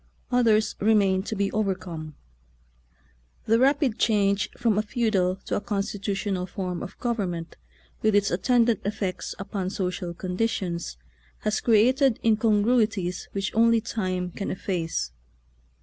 Others remain to be overcome. The' rapid change from a feudal to a constitutional form of gov ernment, with its attendant effects upon social conditions, has created incongrui ties which only time can efface.